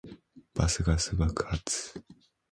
バスガス爆発